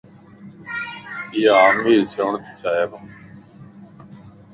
ايا امير ڇڻ تي چائي